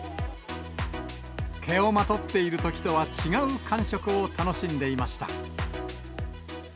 毛をまとっているときとは違う感触を楽しんでいました。